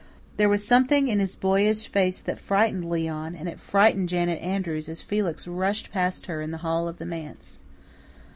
There was something in his boyish face that frightened Leon; and it frightened Janet Andrews as Felix rushed past her in the hall of the manse.